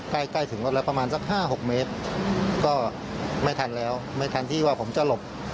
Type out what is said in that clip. ใกล้ใกล้ถึงรถแล้วประมาณสัก๕๖เมตรก็ไม่ทันแล้วไม่ทันที่ว่าผมจะหลบ